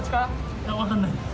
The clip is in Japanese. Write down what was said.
いや、分かんないです。